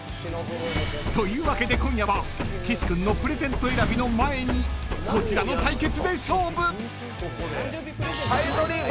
［というわけで今夜は岸君のプレゼント選びの前にこちらの対決で勝負］